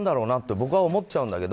僕は思っちゃうんだけど。